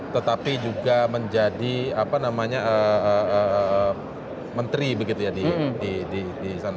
tetapi juga menjadi menteri di sana